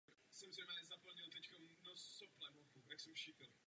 Navzdory neposlušnosti a hříchu člověka Bůh nadále usiluje o vztah s člověkem.